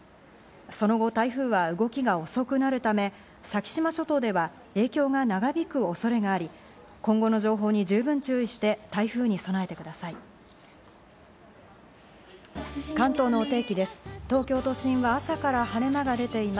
その後、台風は動きが遅くなるため、先島諸島では影響が長引く恐れがあり、今後の情報に十分注意して台風に備えてください。